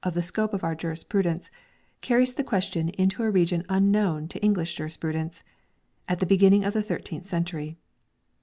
SPANISH MEDIAEVAL JURISPRUDENCE 233 scope of our jurisprudence, carries the question into a region unknown to English jurisprudence, at the beginning of the thirteenth century.